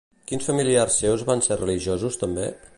Quins familiars seus van ser religiosos també?